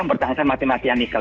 mempertahankan mati matian nikel